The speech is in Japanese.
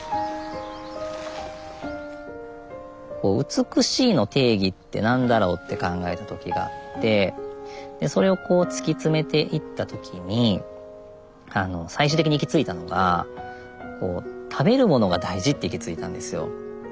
美しいの定義って何だろうって考えた時があってそれを突き詰めていった時に最終的に行き着いたのが食べるものが大事って行き着いたんですよ。